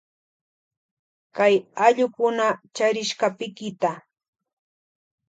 Kay allukuna charishka pikita.